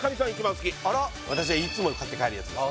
これ私がいつも買って帰るやつです